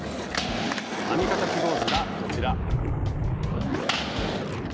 編み方記号図がこちら。